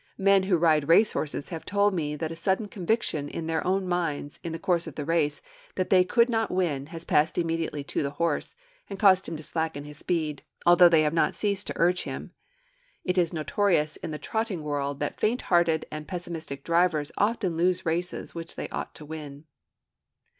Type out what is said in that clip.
Men who ride race horses have told me that a sudden conviction in their own minds, in the course of a race, that they could not win has passed immediately to the horse, and caused him to slacken his speed, although they had not ceased to urge him. It is notorious in the trotting world that faint hearted and pessimistic drivers often lose races which they ought to win.